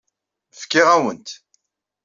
Fkiɣ-awen-t.